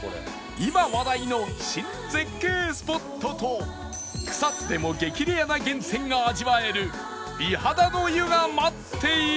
今話題の新絶景スポットと草津でも激レアな源泉が味わえる美肌の湯が待っている